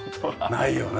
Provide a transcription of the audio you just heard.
ないよね。